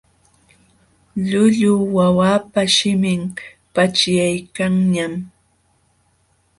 Llullu wawapa shimin paćhyaykanñam.